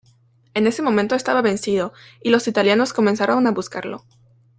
En ese momento estaba vencido y los italianos comenzaron a buscarlo.